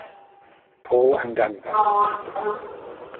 Paul and Denver.